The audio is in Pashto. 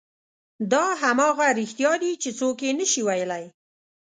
دا همغه رښتیا دي چې څوک یې نه شي ویلی.